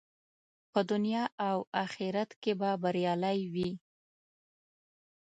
په دنیا او آخرت کې به بریالی وي.